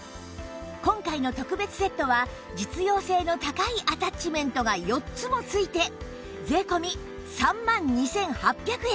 今回の特別セットは実用性の高いアタッチメントが４つも付いて税込３万２８００円